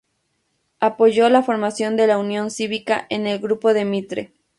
Apoyó la formación de la Unión Cívica, en el grupo de Mitre.